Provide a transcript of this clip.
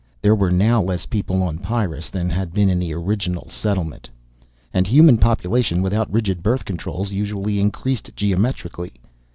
There were now less people on Pyrrus than had been in the original settlement. And human population, without rigid birth controls, usually increased geometrically.